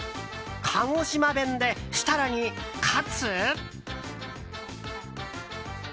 鹿児島弁で設楽に喝？